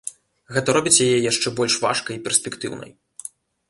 Гэта робіць яе яшчэ больш важкай і перспектыўнай.